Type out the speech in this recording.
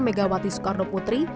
megawati soekarno putri